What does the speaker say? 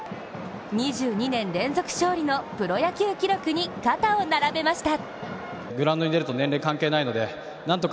２２年連続勝利のプロ野球記録に肩を並べました。